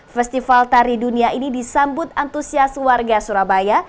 festival tari dunia ini disambut antusias warga surabaya